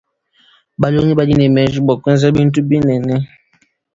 Balongi badi ne menji bua kuenza bintu binene.